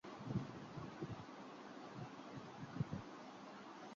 এই উদ্ভাবনের কারণেই তারা নোবেল পুরস্কার লাভ করেছিলেন।